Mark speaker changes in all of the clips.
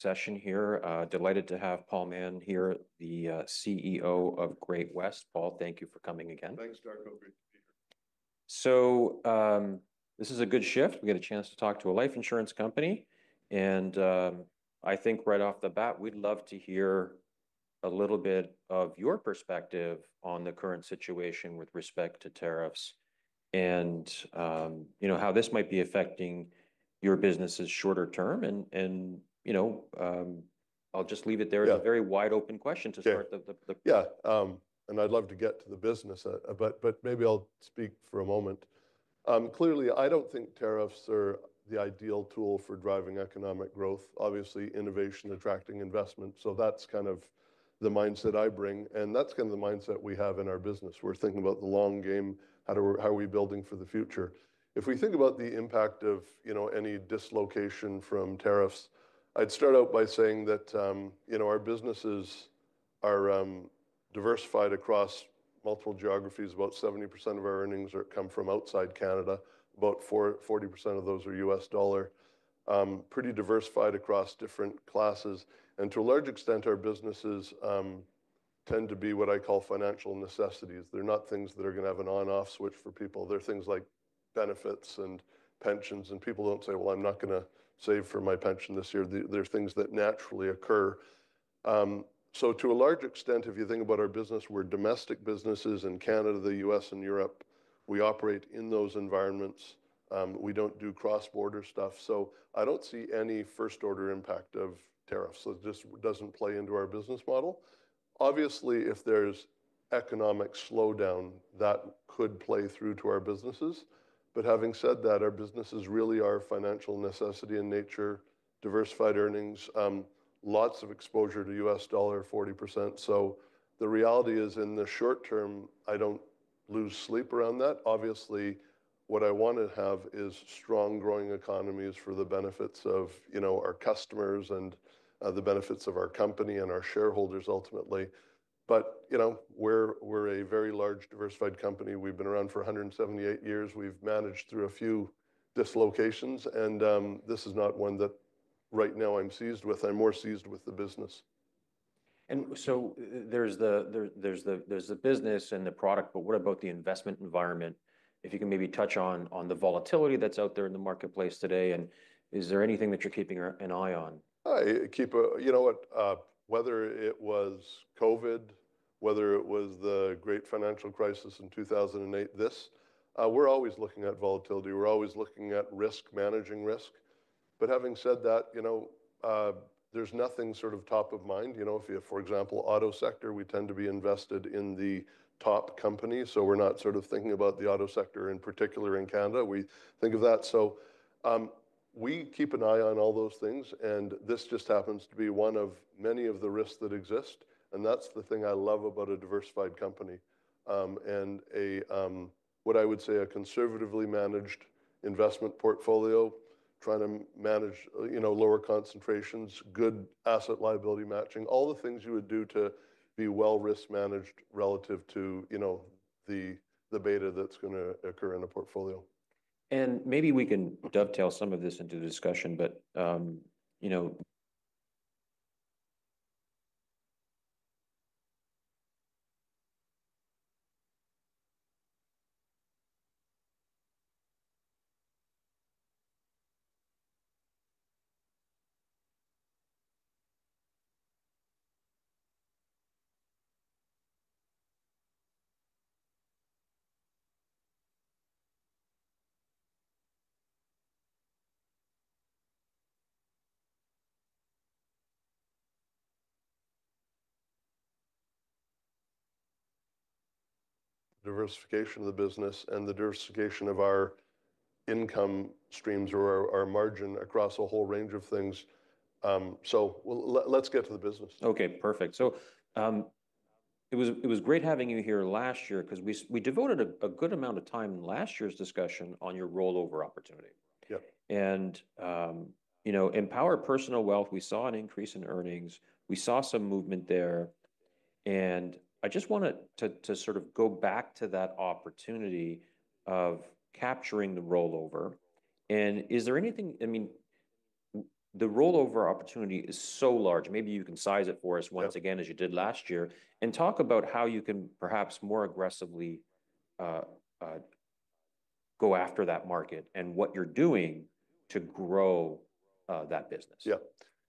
Speaker 1: Session here. Delighted to have Paul Mahon here, the CEO of Great-West. Paul, thank you for coming again.
Speaker 2: Thanks, Darko and Peter.
Speaker 1: This is a good shift. We got a chance to talk to a life insurance company, and I think right off the bat, we'd love to hear a little bit of your perspective on the current situation with respect to tariffs and, you know, how this might be affecting your business's shorter term. And, you know, I'll just leave it there. It's a very wide open question to start the.
Speaker 2: Yeah, and I'd love to get to the business, but, but maybe I'll speak for a moment. Clearly, I don't think tariffs are the ideal tool for driving economic growth. Obviously, innovation attracting investment. So that's kind of the mindset I bring, and that's kind of the mindset we have in our business. We're thinking about the long game, how do we, how are we building for the future? If we think about the impact of, you know, any dislocation from tariffs, I'd start out by saying that, you know, our businesses are diversified across multiple geographies. About 70% of our earnings come from outside Canada, about 40% of those are U.S. dollar. Pretty diversified across different classes. And to a large extent, our businesses tend to be what I call financial necessities. They're not things that are gonna have an on-off switch for people. They're things like benefits and pensions. And people don't say, "Well, I'm not gonna save for my pension this year." There are things that naturally occur. So to a large extent, if you think about our business, we're domestic businesses in Canada, the U.S., and Europe. We operate in those environments. We don't do cross-border stuff. So I don't see any first-order impact of tariffs. So it just doesn't play into our business model. Obviously, if there's economic slowdown, that could play through to our businesses. But having said that, our businesses really are financial necessity in nature, diversified earnings, lots of exposure to U.S. dollar, 40%. So the reality is, in the short term, I don't lose sleep around that. Obviously, what I wanna have is strong growing economies for the benefits of, you know, our customers and, the benefits of our company and our shareholders ultimately. But, you know, we're a very large diversified company. We've been around for 178 years. We've managed through a few dislocations, and this is not one that right now I'm seized with. I'm more seized with the business.
Speaker 1: And so there's the business and the product, but what about the investment environment? If you can maybe touch on the volatility that's out there in the marketplace today, and is there anything that you're keeping an eye on?
Speaker 2: You know what, whether it was COVID, whether it was the Great Financial Crisis in 2008, this, we're always looking at volatility. We're always looking at risk, managing risk. But having said that, you know, there's nothing sort of top of mind. You know, if you, for example, auto sector, we tend to be invested in the top company. So we're not sort of thinking about the auto sector in particular in Canada. We think of that. So, we keep an eye on all those things, and this just happens to be one of many of the risks that exist, and that's the thing I love about a diversified company. and what I would say a conservatively managed investment portfolio, trying to manage, you know, lower concentrations, good asset-liability matching, all the things you would do to be well risk managed relative to, you know, the beta that's gonna occur in a portfolio.
Speaker 1: Maybe we can dovetail some of this into the discussion, but, you know.
Speaker 2: Diversification of the business and the diversification of our income streams or our margin across a whole range of things, so we'll, let's get to the business.
Speaker 1: Okay, perfect. So, it was great having you here last year 'cause we devoted a good amount of time in last year's discussion on your rollover opportunity.
Speaker 2: Yep.
Speaker 1: You know, Empower Personal Wealth, we saw an increase in earnings. We saw some movement there. I just wanted to sort of go back to that opportunity of capturing the rollover. Is there anything? I mean, the rollover opportunity is so large. Maybe you can size it for us once again, as you did last year, and talk about how you can perhaps more aggressively go after that market and what you're doing to grow that business.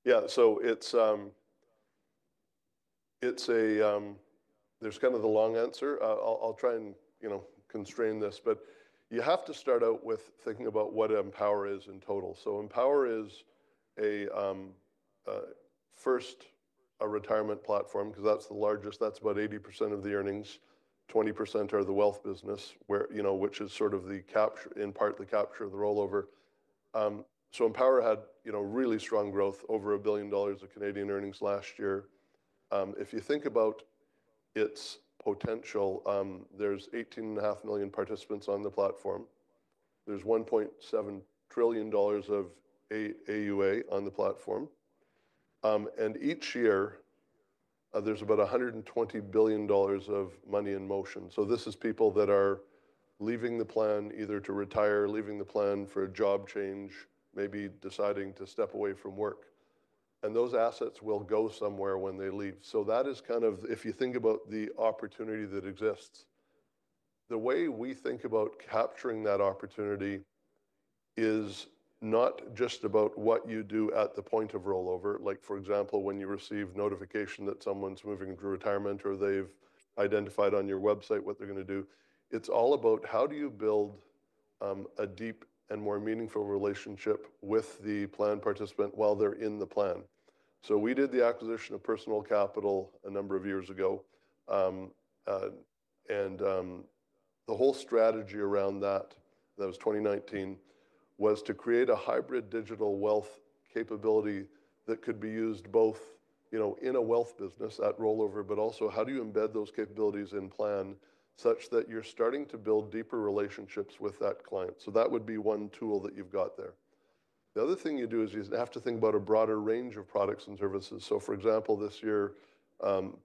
Speaker 2: Yeah. So it's a, there's kind of the long answer. I'll try and, you know, constrain this, but you have to start out with thinking about what Empower is in total. So Empower is a, first, a retirement platform 'cause that's the largest. That's about 80% of the earnings. 20% are the wealth business where, you know, which is sort of the capture, in part, of the rollover. So Empower had, you know, really strong growth, over 1 billion dollars of Canadian earnings last year. If you think about its potential, there's 18.5 million participants on the platform. There's $1.7 trillion of AUA on the platform. And each year, there's about $120 billion of money in motion. So this is people that are leaving the plan either to retire, leaving the plan for a job change, maybe deciding to step away from work. And those assets will go somewhere when they leave. So that is kind of, if you think about the opportunity that exists, the way we think about capturing that opportunity is not just about what you do at the point of rollover. Like, for example, when you receive notification that someone's moving into retirement or they've identified on your website what they're gonna do, it's all about how do you build, a deep and more meaningful relationship with the plan participant while they're in the plan. So we did the acquisition of Personal Capital a number of years ago. The whole strategy around that, that was 2019, was to create a hybrid digital wealth capability that could be used both, you know, in a wealth business at rollover, but also how do you embed those capabilities in plan such that you're starting to build deeper relationships with that client. So that would be one tool that you've got there. The other thing you do is you have to think about a broader range of products and services. So, for example, this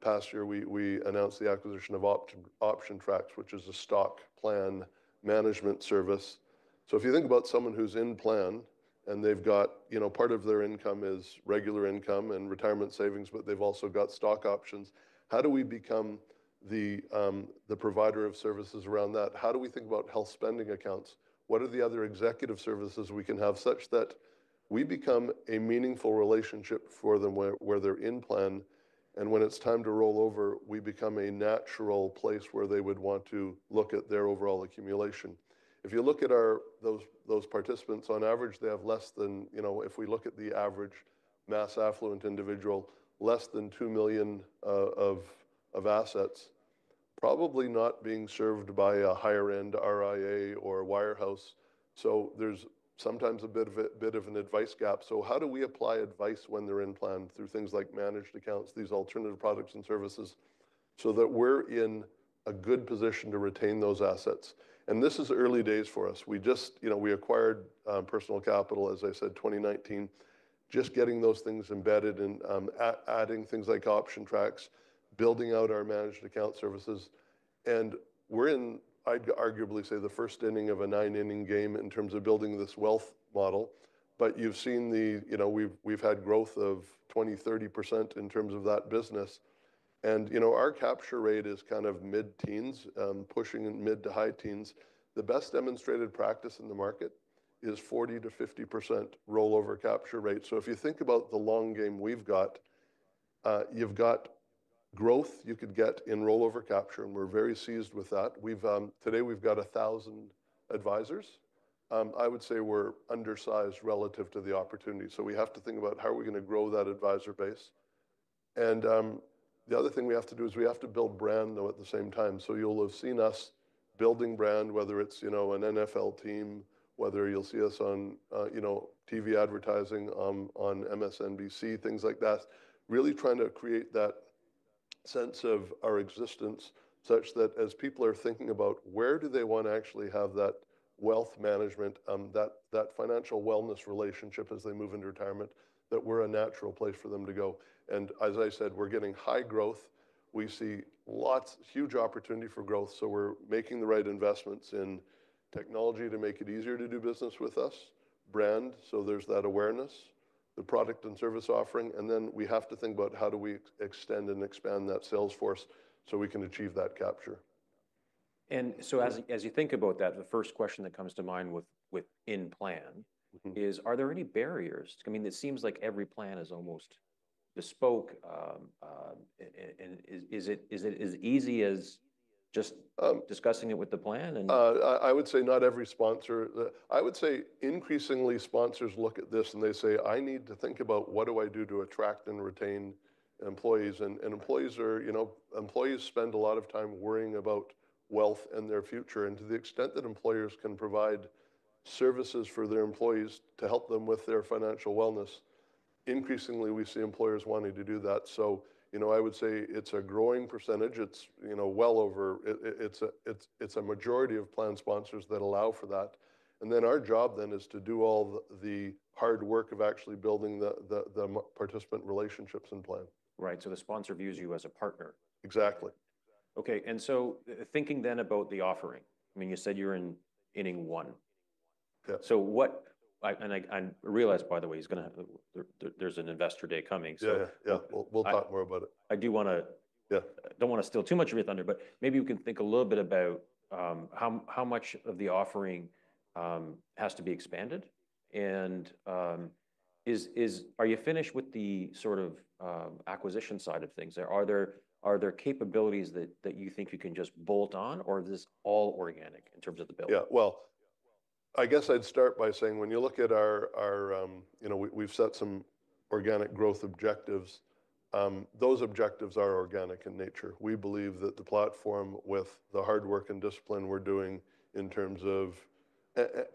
Speaker 2: past year, we announced the acquisition of OptionTrax, which is a stock plan management service. So if you think about someone who's in plan and they've got, you know, part of their income is regular income and retirement savings, but they've also got stock options, how do we become the provider of services around that? How do we think about health spending accounts? What are the other executive services we can have such that we become a meaningful relationship for them where they're in plan, and when it's time to rollover, we become a natural place where they would want to look at their overall accumulation. If you look at our those participants, on average, they have less than, you know, if we look at the average mass affluent individual, less than 2 million of assets, probably not being served by a higher-end RIA or wirehouse. So there's sometimes a bit of an advice gap. So how do we apply advice when they're in plan through things like managed accounts, these alternative products and services, so that we're in a good position to retain those assets, and this is early days for us. We just, you know, we acquired Personal Capital, as I said, 2019, just getting those things embedded and adding things like OptionTrax, building out our managed account services, and we're in. I'd arguably say the first inning of a nine-inning game in terms of building this wealth model, but you've seen the, you know, we've had growth of 20%-30% in terms of that business, and, you know, our capture rate is kind of mid-teens, pushing mid to high teens. The best demonstrated practice in the market is 40%-50% rollover capture rate. So if you think about the long game we've got, you've got growth you could get in rollover capture, and we're very seized with that. Today we've got 1,000 advisors. I would say we're undersized relative to the opportunity. We have to think about how are we gonna grow that advisor base. The other thing we have to do is we have to build brand, though, at the same time. You'll have seen us building brand, whether it's, you know, an NFL team, whether you'll see us on, you know, TV advertising, on MSNBC, things like that, really trying to create that sense of our existence such that as people are thinking about where do they wanna actually have that wealth management, that financial wellness relationship as they move into retirement, that we're a natural place for them to go. As I said, we're getting high growth. We see lots, huge opportunity for growth. We're making the right investments in technology to make it easier to do business with us, brand. There's that awareness, the product and service offering. Then we have to think about how do we extend and expand that sales force so we can achieve that capture.
Speaker 1: And so as you think about that, the first question that comes to mind with in plan.
Speaker 2: Mm-hmm.
Speaker 1: Are there any barriers? I mean, it seems like every plan is almost bespoke, and is it as easy as just discussing it with the plan?
Speaker 2: I would say not every sponsor. I would say increasingly sponsors look at this and they say, "I need to think about what do I do to attract and retain employees?" And employees, you know, spend a lot of time worrying about wealth and their future. And to the extent that employers can provide services for their employees to help them with their financial wellness, increasingly we see employers wanting to do that. So, you know, I would say it's a growing percentage. You know, well over. It's a majority of plan sponsors that allow for that. And then our job is to do all the hard work of actually building the participant relationships in plan.
Speaker 1: Right, so the sponsor views you as a partner.
Speaker 2: Exactly.
Speaker 1: Okay. And so thinking then about the offering, I mean, you said you're in inning one.
Speaker 2: Yeah.
Speaker 1: I realized, by the way, he's gonna. There's an investor day coming. So.
Speaker 2: Yeah. Yeah. We'll talk more about it.
Speaker 1: I do wanna.
Speaker 2: Yeah.
Speaker 1: Don't wanna steal too much of your thunder, but maybe you can think a little bit about how much of the offering has to be expanded and are you finished with the sort of acquisition side of things there? Are there capabilities that you think you can just bolt on, or is this all organic in terms of the build?
Speaker 2: Yeah. Well, I guess I'd start by saying when you look at our, you know, we've set some organic growth objectives. Those objectives are organic in nature. We believe that the platform with the hard work and discipline we're doing in terms of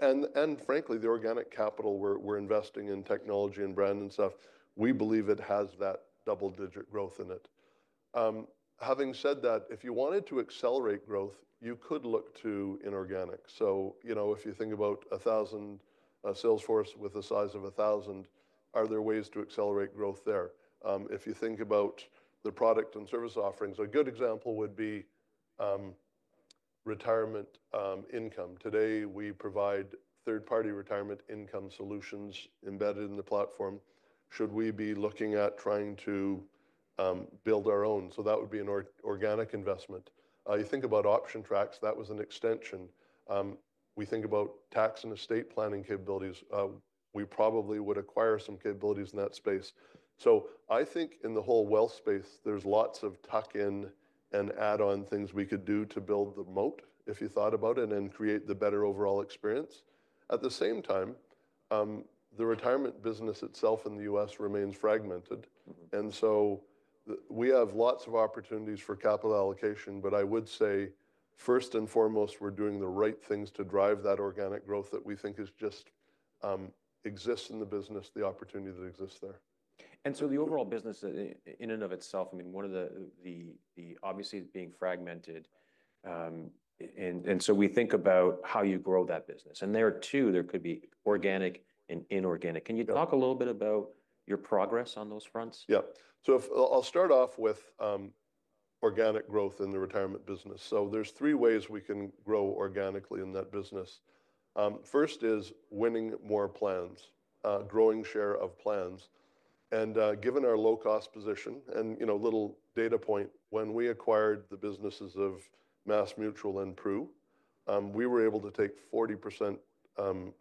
Speaker 2: and frankly the organic capital we're investing in technology and brand and stuff, we believe it has that double-digit growth in it. Having said that, if you wanted to accelerate growth, you could look to inorganic. So, you know, if you think about a thousand sales force with a size of a thousand, are there ways to accelerate growth there? If you think about the product and service offerings, a good example would be retirement income. Today we provide third-party retirement income solutions embedded in the platform. Should we be looking at trying to build our own? So that would be an organic investment. You think about OptionTrax, that was an extension. We think about tax and estate planning capabilities. We probably would acquire some capabilities in that space. So I think in the whole wealth space, there's lots of tuck-in and add-on things we could do to build the moat, if you thought about it, and then create the better overall experience. At the same time, the retirement business itself in the U.S. remains fragmented, and so we have lots of opportunities for capital allocation, but I would say first and foremost, we're doing the right things to drive that organic growth that we think is just, exists in the business, the opportunity that exists there.
Speaker 1: And so the overall business in and of itself, I mean, one of the obviously being fragmented, and so we think about how you grow that business. And there are two, there could be organic and inorganic. Can you talk a little bit about your progress on those fronts?
Speaker 2: Yeah. So I'll start off with organic growth in the retirement business, so there's three ways we can grow organically in that business. First is winning more plans, growing share of plans. Given our low-cost position and, you know, little data point, when we acquired the businesses of MassMutual and Pru, we were able to take 40%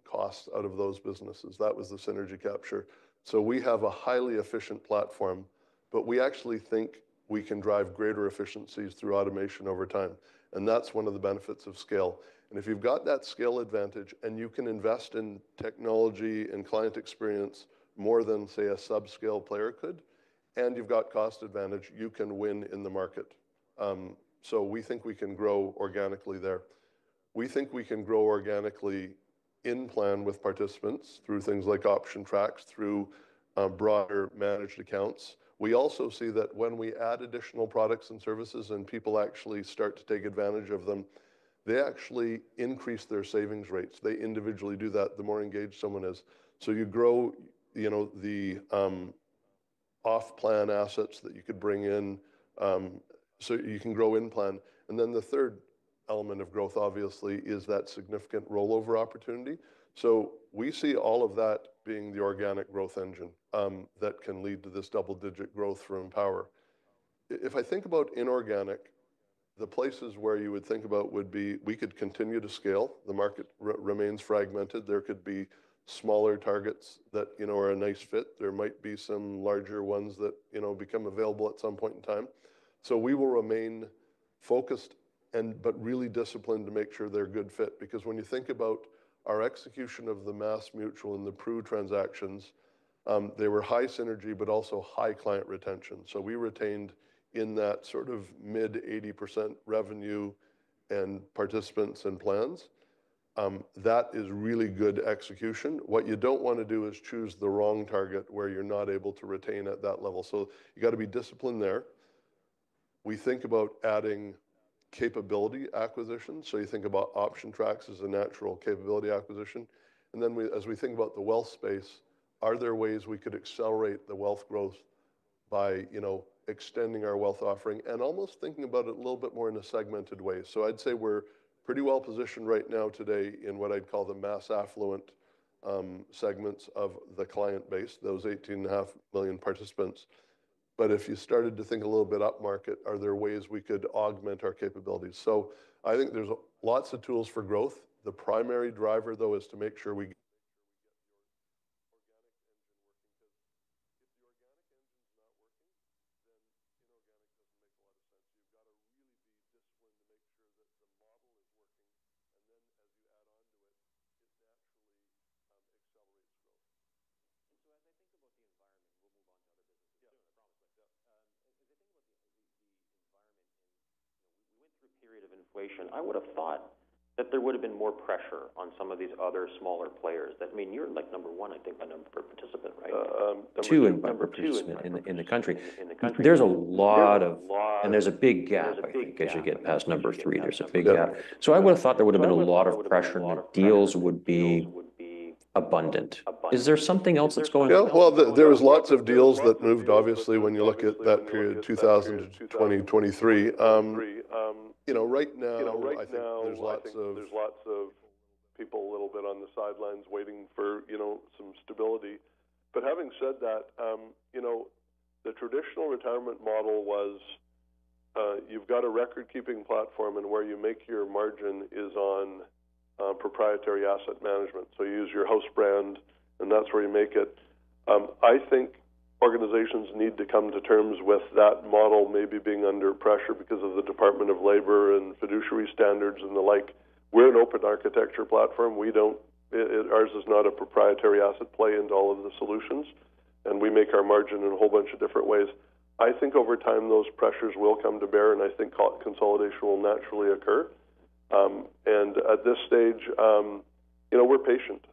Speaker 2: cost out of those businesses. That was the synergy capture, so we have a highly efficient platform, but we actually think we can drive greater efficiencies through automation over time, and that's one of the benefits of scale, and if you've got that scale advantage and you can invest in technology and client experience more than, say, a subscale player could, and you've got cost advantage, you can win in the market, so we think we can grow organically there. We think we can grow organically in plan with participants through things like OptionTrax, through broader managed accounts. We also see that when we add additional products and services and people actually start to take advantage of them, they actually increase their savings rates. They individually do that, the more engaged someone is. So you grow, you know, the off-plan assets that you could bring in, so you can grow in plan. And then the third element of growth, obviously, is that significant rollover opportunity. So we see all of that being the organic growth engine that can lead to this double-digit growth from Empower. If I think about inorganic, the places where you would think about would be, we could continue to scale. The market remains fragmented. There could be smaller targets that, you know, are a nice fit. There might be some larger ones that, you know, become available at some point in time. So we will remain focused and, but really disciplined to make sure they're a good fit. Because when you think about our execution of the MassMutual and the Pru transactions, they were high synergy, but also high client retention. So we retained in that sort of mid 80% revenue and participants and plans. That is really good execution. What you don't wanna do is choose the wrong target where you're not able to retain at that level. So you gotta be disciplined there. We think about adding capability acquisition. So you think about OptionTrax as a natural capability acquisition. And then, as we think about the wealth space, are there ways we could accelerate the wealth growth by, you know, extending our wealth offering and almost thinking about it a little bit more in a segmented way. So I'd say we're pretty well positioned right now today in what I'd call the mass affluent segments of the client base, those 18.5 million participants. But if you started to think a little bit upmarket, are there ways we could augment our capabilities? So I think there's lots of tools for growth. The primary driver, though, is to make sure we right now, there's lots of people a little bit on the sidelines waiting for, you know, some stability. But having said that, you know, the traditional retirement model was, you've got a record-keeping platform and where you make your margin is on, proprietary asset management. So you use your host brand and that's where you make it. I think organizations need to come to terms with that model maybe being under pressure because of the Department of Labor and fiduciary standards and the like. We're an open architecture platform. We don't, ours is not a proprietary asset play into all of the solutions. And we make our margin in a whole bunch of different ways. I think over time those pressures will come to bear and I think consolidation will naturally occur, and at this stage, you know, we're patient.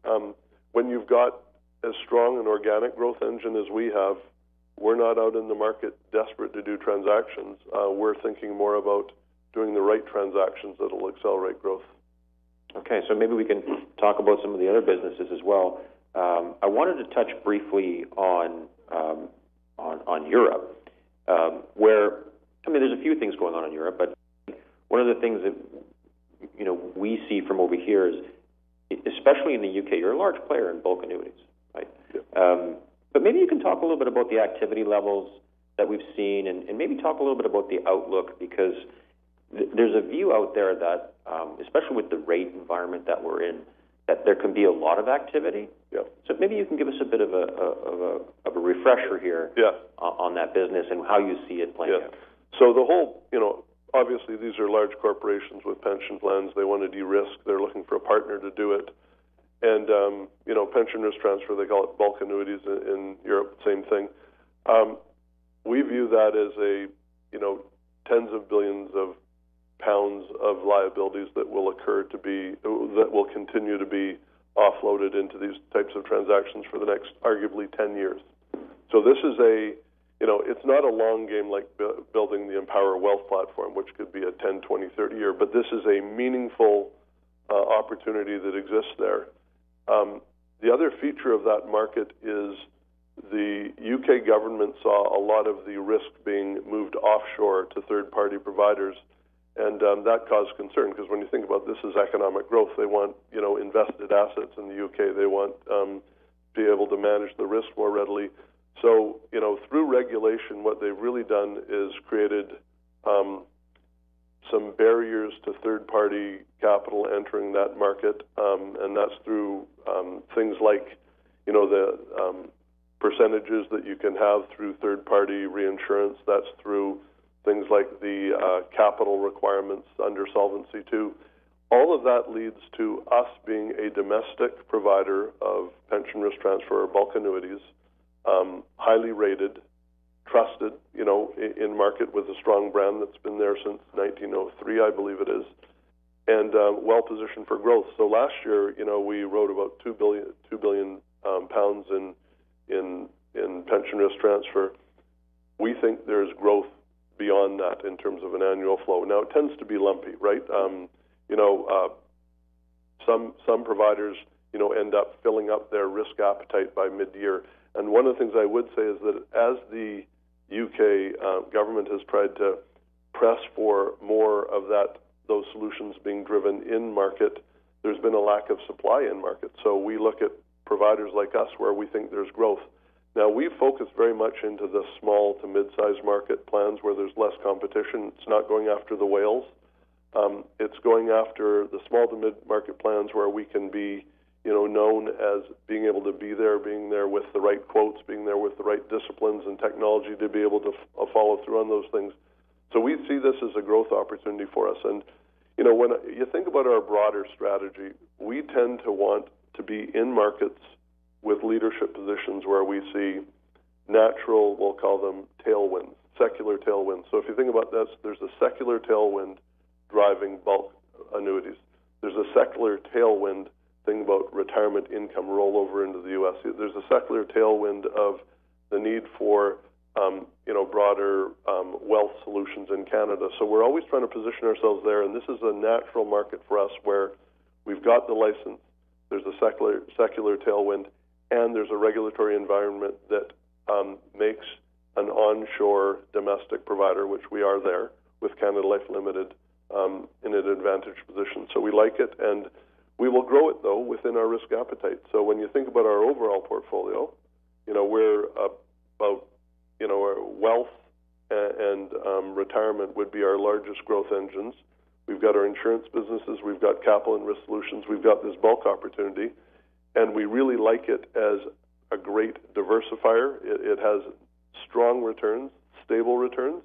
Speaker 2: When you've got as strong an organic growth engine as we have, we're not out in the market desperate to do transactions. We're thinking more about doing the right transactions that'll accelerate growth.
Speaker 1: Okay. So maybe we can talk about some of the other businesses as well. I wanted to touch briefly on Europe, where, I mean, there's a few things going on in Europe, but one of the things that, you know, we see from over here is, especially in the U.K., you're a large player in bulk annuities, right?
Speaker 2: Yeah.
Speaker 1: but maybe you can talk a little bit about the activity levels that we've seen and maybe talk a little bit about the outlook because there's a view out there that, especially with the rate environment that we're in, that there can be a lot of activity.
Speaker 2: Yeah.
Speaker 1: So maybe you can give us a bit of a refresher here?
Speaker 2: Yeah.
Speaker 1: On that business and how you see it playing out.
Speaker 2: Yeah. So the whole, you know, obviously these are large corporations with pension plans. They wanna de-risk. They're looking for a partner to do it. And, you know, pension risk transfer, they call it bulk annuities in Europe, same thing. We view that as a, you know, tens of billions of pounds of liabilities that will occur to be, that will continue to be offloaded into these types of transactions for the next arguably 10 years. So this is a, you know, it's not a long game like building the Empower Wealth platform, which could be a 10-, 20-, 30-year, but this is a meaningful opportunity that exists there. The other feature of that market is the U.K. government saw a lot of the risk being moved offshore to third-party providers. That caused concern 'cause when you think about this as economic growth, they want, you know, invested assets in the U.K. They want to be able to manage the risk more readily. Through regulation, what they've really done is created some barriers to third-party capital entering that market. That's through things like, you know, the percentages that you can have through third-party reinsurance. That's through things like the capital requirements under Solvency II. All of that leads to us being a domestic provider of pension risk transfer or bulk annuities, highly rated, trusted, you know, in market with a strong brand that's been there since 1903, I believe it is, and well positioned for growth. Last year, you know, we wrote about 2 billion pounds in pension risk transfer. We think there's growth beyond that in terms of an annual flow. Now it tends to be lumpy, right? You know, some providers, you know, end up filling up their risk appetite by mid-year. And one of the things I would say is that as the U.K. government has tried to press for more of that, those solutions being driven in market, there's been a lack of supply in market. So we look at providers like us where we think there's growth. Now we focus very much into the small to mid-size market plans where there's less competition. It's not going after the whales. It's going after the small to mid-market plans where we can be, you know, known as being able to be there, being there with the right quotes, being there with the right disciplines and technology to be able to follow through on those things. So we see this as a growth opportunity for us. And, you know, when you think about our broader strategy, we tend to want to be in markets with leadership positions where we see natural, we'll call them tailwinds, secular tailwinds. So if you think about that, there's a secular tailwind driving bulk annuities. There's a secular tailwind think about retirement income rollover into the U.S. There's a secular tailwind of the need for, you know, broader, wealth solutions in Canada. So we're always trying to position ourselves there. And this is a natural market for us where we've got the license. There's a secular, secular tailwind, and there's a regulatory environment that, makes an onshore domestic provider, which we are there with Canada Life Limited, in an advantage position. So we like it. And we will grow it though within our risk appetite. When you think about our overall portfolio, you know, we're about, you know, our wealth and retirement would be our largest growth engines. We've got our insurance businesses. We've got Capital and Risk Solutions. We've got this bulk opportunity, and we really like it as a great diversifier. It has strong returns, stable returns,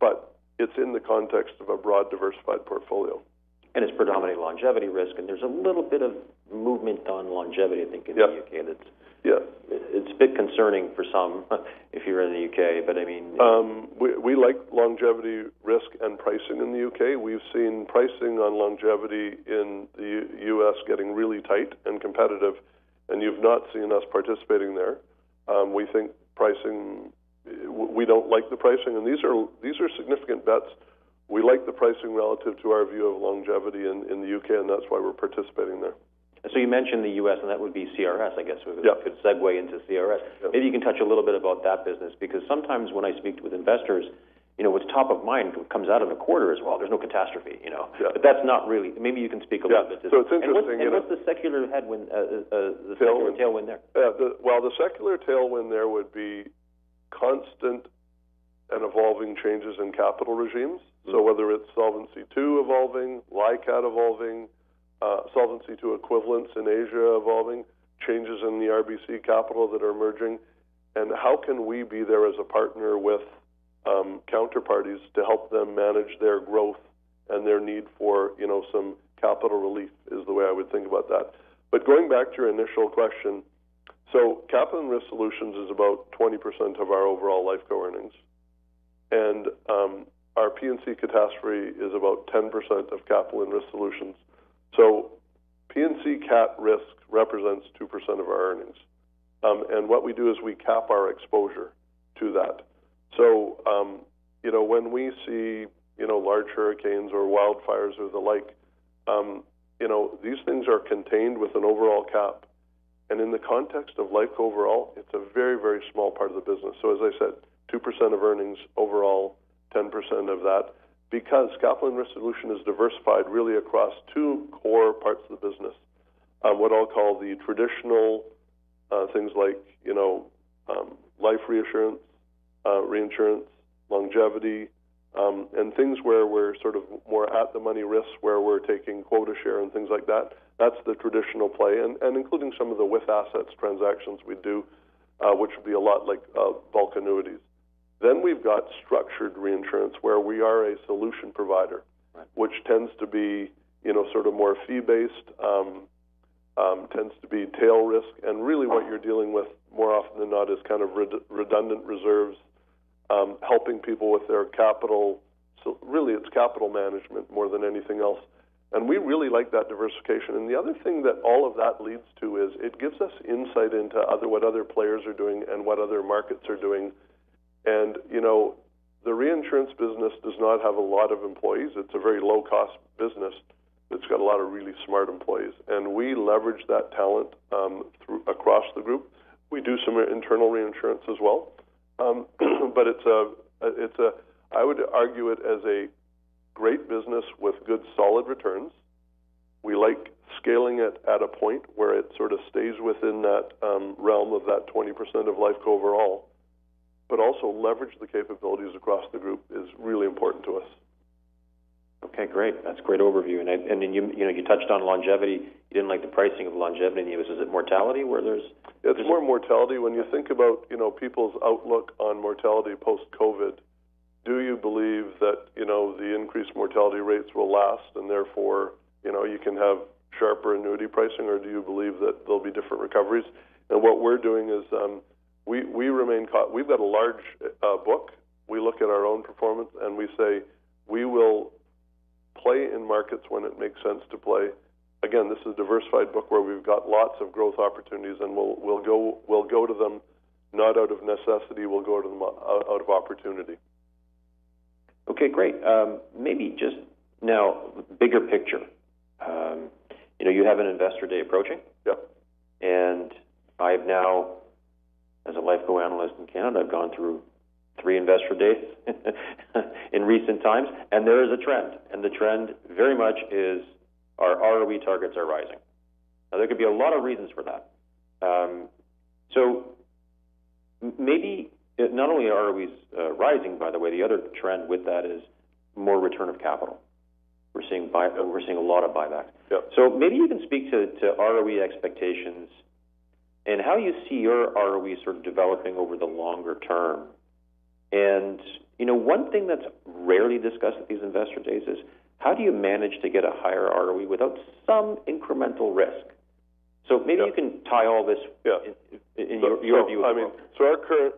Speaker 2: but it's in the context of a broad diversified portfolio.
Speaker 1: It's predominantly longevity risk. There's a little bit of movement on longevity, I think, in the U.K.
Speaker 2: Yeah.
Speaker 1: That's.
Speaker 2: Yeah.
Speaker 1: It's a bit concerning for some if you're in the U.K., but I mean.
Speaker 2: We like longevity risk and pricing in the U.K. We've seen pricing on longevity in the U.S. getting really tight and competitive, and you've not seen us participating there. We think pricing, we don't like the pricing, and these are significant bets. We like the pricing relative to our view of longevity in the U.K., and that's why we're participating there.
Speaker 1: So you mentioned the U.S., and that would be CRS, I guess.
Speaker 2: Yeah.
Speaker 1: We could segue into CRS.
Speaker 2: Yeah.
Speaker 1: Maybe you can touch a little bit about that business because sometimes when I speak with investors, you know, what's top of mind comes out of the quarter as well. There's no catastrophe, you know.
Speaker 2: Yeah.
Speaker 1: But that's not really, maybe you can speak a little bit to.
Speaker 2: Yeah, so it's interesting that.
Speaker 1: What's the secular headwind, the secular tailwind there?
Speaker 2: well, the secular tailwind there would be constant and evolving changes in capital regimes.
Speaker 1: Mm-hmm.
Speaker 2: Whether it's Solvency II evolving, LICAT evolving, Solvency II equivalents in Asia evolving, changes in the RBC capital that are emerging. And how can we be there as a partner with counterparties to help them manage their growth and their need for, you know, some capital relief is the way I would think about that. But going back to your initial question, Capital and Risk Solutions is about 20% of our overall Lifeco earnings. And our P&C catastrophe is about 10% of Capital and Risk Solutions. So P&C Cat risk represents 2% of our earnings, and what we do is we cap our exposure to that. So, you know, when we see, you know, large hurricanes or wildfires or the like, you know, these things are contained with an overall cap. And in the context of Lifeco overall, it's a very, very small part of the business. So as I said, 2% of earnings overall, 10% of that because Capital and Risk Solutions is diversified really across two core parts of the business, what I'll call the traditional, things like, you know, life reassurance, reinsurance, longevity, and things where we're sort of more at the money risks where we're taking quota share and things like that. That's the traditional play and, and including some of the with assets transactions we do, which would be a lot like, bulk annuities. Then we've got structured reinsurance where we are a solution provider.
Speaker 1: Right.
Speaker 2: Which tends to be, you know, sort of more fee-based, tends to be tail risk. And really what you're dealing with more often than not is kind of redundant reserves, helping people with their capital. So really it's capital management more than anything else. And we really like that diversification. And the other thing that all of that leads to is it gives us insight into what other players are doing and what other markets are doing. And, you know, the reinsurance business does not have a lot of employees. It's a very low-cost business that's got a lot of really smart employees. And we leverage that talent throughout the group. We do some internal reinsurance as well, but it's a, I would argue, a great business with good solid returns. We like scaling it at a point where it sort of stays within that realm of that 20% of Lifeco overall, but also leverage the capabilities across the group is really important to us.
Speaker 1: Okay. Great. That's a great overview. And I, and then you, you know, you touched on longevity. You didn't like the pricing of longevity in the U.S. Is it mortality where there's?
Speaker 2: Yeah. It's more mortality. When you think about, you know, people's outlook on mortality post-COVID, do you believe that, you know, the increased mortality rates will last and therefore, you know, you can have sharper annuity pricing? Or do you believe that there'll be different recoveries? And what we're doing is, we remain cautious. We've got a large book. We look at our own performance and we say we will play in markets when it makes sense to play. Again, this is a diversified book where we've got lots of growth opportunities and we'll go to them not out of necessity. We'll go to them out of opportunity.
Speaker 1: Okay. Great. Maybe just now bigger picture. You know, you have an investor day approaching.
Speaker 2: Yeah.
Speaker 1: I've now, as a Lifeco analyst in Canada, gone through three investor days in recent times. There is a trend. The trend very much is our ROE targets are rising. Now there could be a lot of reasons for that, so maybe not only are ROEs rising, by the way, the other trend with that is more return of capital. We're seeing buyback.
Speaker 2: Yeah.
Speaker 1: We're seeing a lot of buyback.
Speaker 2: Yeah.
Speaker 1: So maybe you can speak to ROE expectations and how you see your ROE sort of developing over the longer term. And, you know, one thing that's rarely discussed at these investor days is how do you manage to get a higher ROE without some incremental risk? So maybe you can tie all this.
Speaker 2: Yeah.
Speaker 1: In your view of that.
Speaker 2: I mean, so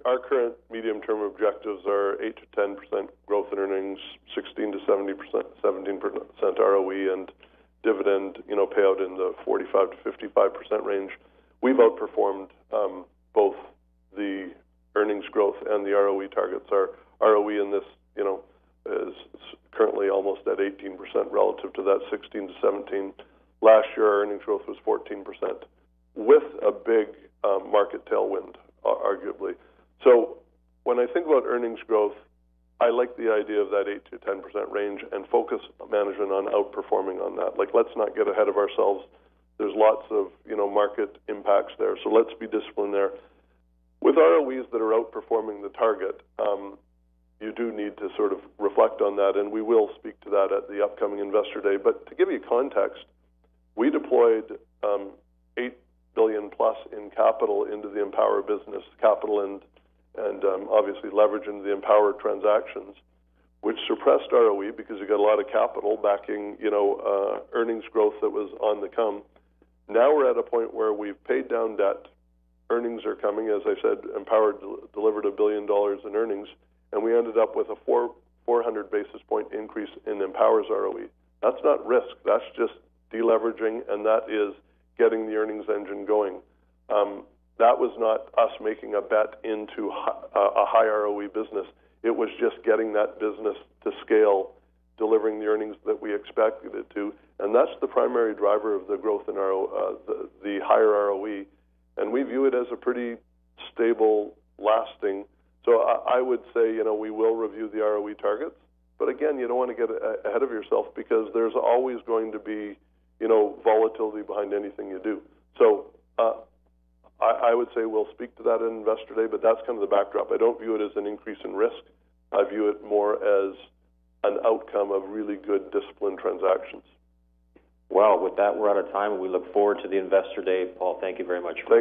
Speaker 2: our current medium-term objectives are 8%-10% growth in earnings, 16%-17% ROE, and dividend, you know, payout in the 45%-55% range. We've outperformed, both the earnings growth and the ROE targets. Our ROE in this, you know, is currently almost at 18% relative to that 16%-17%. Last year, our earnings growth was 14% with a big market tailwind, arguably. So when I think about earnings growth, I like the idea of that 8-10% range and focus management on outperforming on that. Like, let's not get ahead of ourselves. There's lots of, you know, market impacts there. So let's be disciplined there. With ROEs that are outperforming the target, you do need to sort of reflect on that. We will speak to that at the upcoming investor day. But to give you context, we deployed $8 billion plus in capital into the Empower business, capital and obviously leverage into the Empower transactions, which suppressed ROE because you got a lot of capital backing, you know, earnings growth that was on the come. Now we're at a point where we've paid down debt. Earnings are coming. As I said, Empower delivered a billion dollars in earnings. And we ended up with a 4400 basis point increase in Empower's ROE. That's not risk. That's just deleveraging. And that is getting the earnings engine going. That was not us making a bet into a high ROE business. It was just getting that business to scale, delivering the earnings that we expected it to. And that's the primary driver of the growth in our the higher ROE. And we view it as a pretty stable, lasting. So I would say, you know, we will review the ROE targets. But again, you don't wanna get ahead of yourself because there's always going to be, you know, volatility behind anything you do. So, I would say we'll speak to that at investor day, but that's kind of the backdrop. I don't view it as an increase in risk. I view it more as an outcome of really good disciplined transactions.
Speaker 1: Wow. With that, we're out of time. We look forward to the investor day, Paul. Thank you very much for.